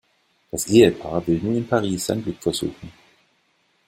Das Ehepaar will nun in Paris sein Glück versuchen.